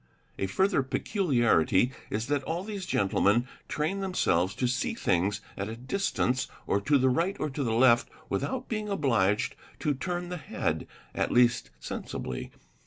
A further peculiarity is that all these gentlemen train them selves to see things at a distance or to the right or to the left without being obliged to turn the head—at least sensibly.